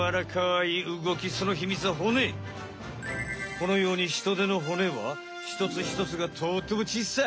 このようにヒトデの骨はひとつひとつがとってもちいさい。